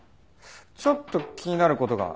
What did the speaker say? ちょっと気になる事が。